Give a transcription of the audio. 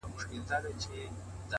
د ریل سټېشن شور د تګ احساس زیاتوي،